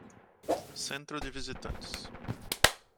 Centro de visitantes